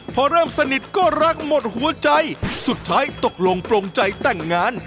พอเริ่มสนิทก็รักหมดหัวใจสุดท้ายตกลงปลงใจแต่งงาน